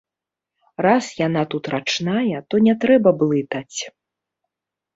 Раз яна тут рачная, то не трэба блытаць.